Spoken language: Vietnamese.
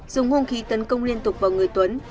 dùng hung khí tấn công liên tục vào người tuấn